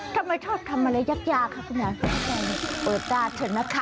ทำไมชอบทำอะไรยากค่ะคุณยานเปิดตาเถอะนะคะ